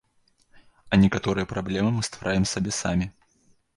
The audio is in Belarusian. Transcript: А некаторыя праблемы мы ствараем сабе самі.